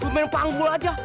gue main panggul aja